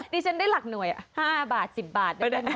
ดิฉันได้หลักหน่วย๕บาท๑๐บาท